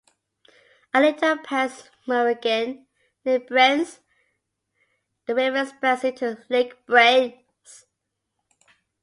A little past Meiringen, near Brienz, the river expands into Lake Brienz.